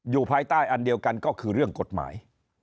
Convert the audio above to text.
ภายใต้อันเดียวกันก็คือเรื่องกฎหมาย